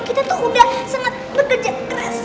kita tuh udah sangat bergejat keras